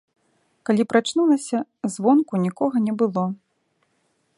Калі прачнулася, звонку нікога не было.